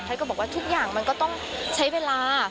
ก็บอกว่าทุกอย่างมันก็ต้องใช้เวลา